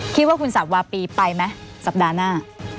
คิดว่าคุณสับวาปีไปไหมสัปดาห์หน้า